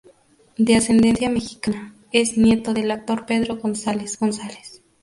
De ascendencia mexicana, es nieto del actor Pedro González-González.